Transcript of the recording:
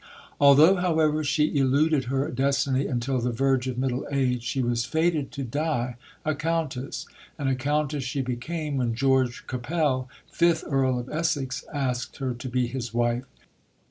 Although, however, she eluded her destiny until the verge of middle age she was fated to die a Countess; and a Countess she became when George Capel, fifth Earl of Essex, asked her to be his wife.